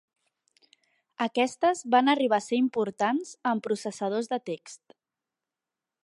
Aquestes van arribar a ser importants en processadors de text.